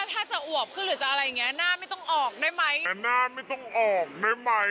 ถ้าจะอวบขึ้นหรือจะอะไรอย่างเงี้ยหน้าไม่ต้องออกได้ไหม